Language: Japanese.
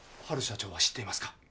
ハル社長は知っていますか？